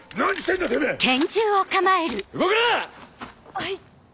はい。